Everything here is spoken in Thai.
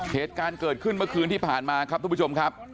เหตุการณ์เกิดขึ้นเมื่อคืนที่ผ่านมาครับทุกผู้ชมครับ